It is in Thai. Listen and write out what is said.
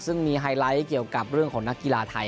ซึ่งมีไฮไลท์เกี่ยวกับเรื่องของนักกีฬาไทย